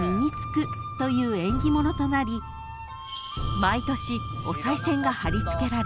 ［毎年おさい銭が張り付けられ］